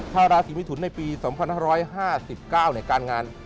ถ้าราศีมิถุนในปี๒๕๕๙การงาน